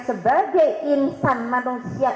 sebagai insan manusia